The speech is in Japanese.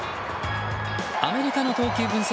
アメリカの投球分析